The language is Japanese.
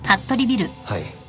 はい。